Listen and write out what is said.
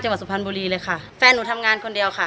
สุพรรณบุรีเลยค่ะแฟนหนูทำงานคนเดียวค่ะ